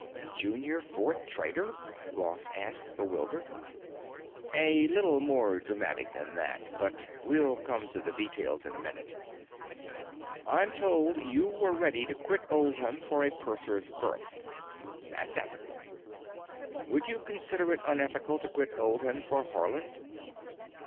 "Junior Fourth Trader?" Ross asked, bewildered. "A little more dramatic than that—but we'll come to the details in a minute. I'm told you were ready to quit Oldham for a purser's berth. That's ethical. Would you consider it unethical to quit Oldham for Haarland?"